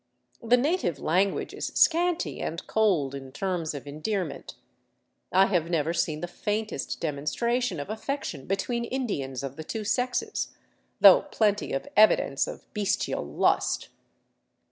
The native language is scanty and cold in terms of endearment; I have never seen the faintest demonstration of affection between Indians of the two sexes, though plenty of evidence of bestial lust.